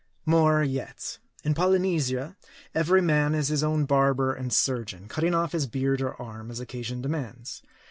More yet. In Polynesia, every man is his own barber and surgeon, cutting off his beard or arm, as occasion demands.